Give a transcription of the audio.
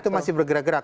itu masih bergerak gerak